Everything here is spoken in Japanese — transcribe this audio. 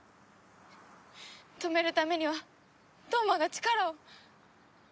止めるためには飛羽真が力を。